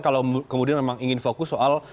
kalau kemudian memang ingin fokus soal